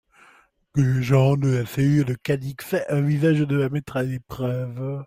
Les gens de la cellule Cadix envisagent de la mettre à l'épreuve.